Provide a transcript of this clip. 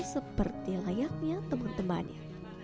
seperti layaknya teman temannya